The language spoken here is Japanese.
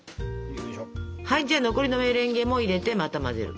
はいじゃあ残りのメレンゲも入れてまた混ぜる。